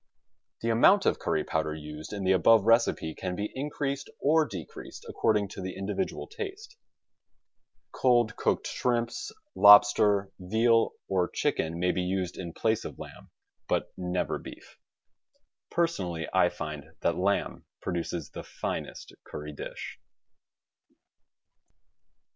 The amount of curry powder used in the above recipe can be increased or decreased according to the in dividual taste. Cold cooked shrimps, lobster, veal or chicken may be used in place of lamb; but never beef. Personally I find that lamb produces the finest curry dish.